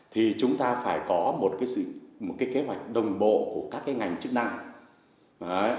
thì chúng ta phải có một cái kế hoạch đồng hành